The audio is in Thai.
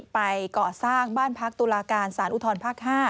ไปเกาะสร้างบ้านพักธุระการศาลอุทธรนทร์ภ๕